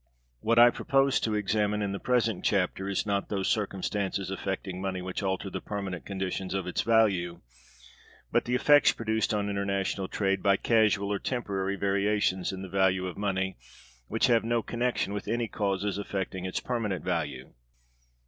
What I propose to examine in the present chapter is not those circumstances affecting money which alter the permanent conditions of its value, but the effects produced on international trade by casual or temporary variations in the value of money, which have no connection with any causes affecting its permanent value.